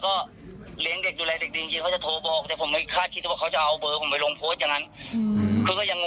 คือเด็กก็ยังอยู่กับเราแล้วบางอาทิตย์ก็จะรับไปนอนสองสามคืน